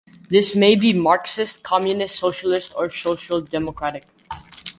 This may be marxist, communist, socialist or social-democratic.